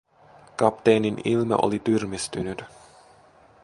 Kapteenin ilme oli tyrmistynyt.